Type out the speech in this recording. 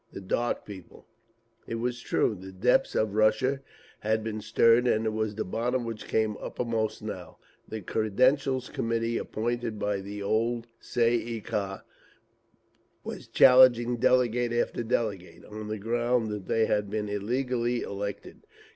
The Dark People…." It was true; the depths of Russia had been stirred, and it was the bottom which came uppermost now. The Credentials Committee, appointed by the old Tsay ee kah, was challenging delegate after delegate, on the ground that they had been illegally elected.